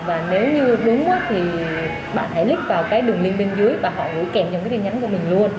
và nếu như đúng thì bạn hãy click vào cái đường link bên dưới và họ gửi kèm cho những tin nhắn của mình luôn